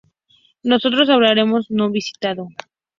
Nosotros habremos no visitado